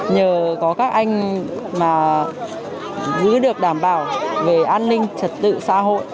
nhờ có các anh mà giữ được đảm bảo về an ninh trật tự xã hội